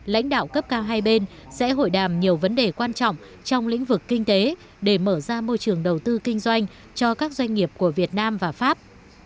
lãnh đạo cấp cao hai bên sẽ hội đàm nhiều vấn đề quan trọng trong lĩnh vực kinh tế để mở ra môi trường đầu tư kinh doanh cho các doanh nghiệp của việt nam và pháp